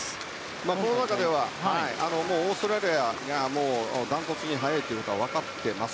この中ではオーストラリアがダントツに速いことは分かっています。